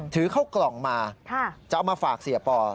ถือเข้ากล่องมาจะเอามาฝากเสียปอ